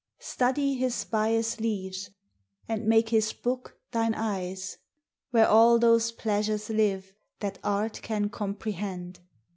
Study his bias leaves, and make his book thine eyes, Where all those pleasures live that art can comprehend.